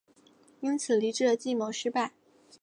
因此黎质的计谋失败。